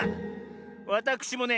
わたくしもね